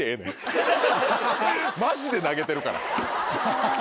マジで投げてるから。